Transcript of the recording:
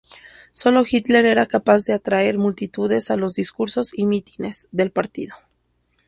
Solo Hitler era capaz de atraer multitudes a los discursos y mítines del partido.